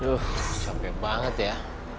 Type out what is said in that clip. duh capek banget ya